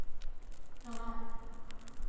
ТЫЛАТ